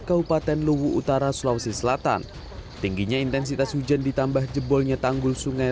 kabupaten luwu utara sulawesi selatan tingginya intensitas hujan ditambah jebolnya tanggul sungai